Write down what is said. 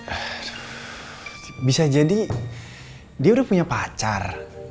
ah bisa jadi dia udah punya pacar